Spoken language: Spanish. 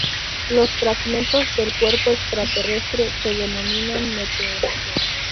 Los fragmentos del cuerpo extraterrestre se denominan meteoritos.